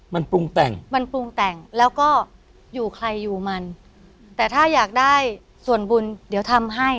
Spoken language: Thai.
มันปรุงแต่งมันปรุงแต่งแล้วก็อยู่ใครอยู่มันแต่ถ้าอยากได้ส่วนบุญเดี๋ยวทำให้